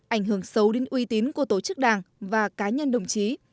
ảnh hưởng xấu đến uy tín của tổ chức đảng và cá nhân đồng chí